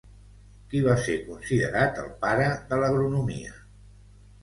Qui va ser considerat el pare de l'agronomia?